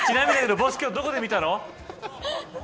ボス、今日どこで見たの。